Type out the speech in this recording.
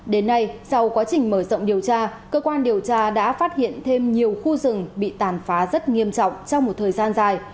đến nay sau quá trình mở rộng điều tra cơ quan điều tra đã phát hiện thêm nhiều khu rừng bị tàn phá rất nghiêm trọng trong một thời gian dài